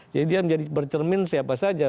jadi dia menjadi bercermin siapa saja